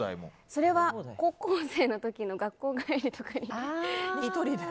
それは高校生の時の学校帰りとかに、１人で。